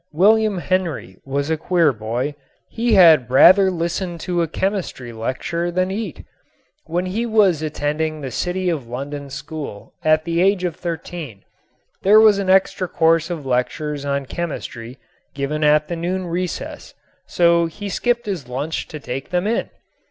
William Henry was a queer boy. He had rather listen to a chemistry lecture than eat. When he was attending the City of London School at the age of thirteen there was an extra course of lectures on chemistry given at the noon recess, so he skipped his lunch to take them in.